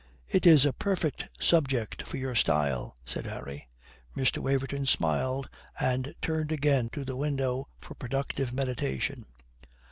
"It is a perfect subject for your style," said Harry. Mr. Waverton smiled, and turned again to the window for productive meditation.